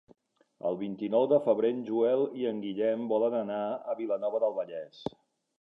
El vint-i-nou de febrer en Joel i en Guillem volen anar a Vilanova del Vallès.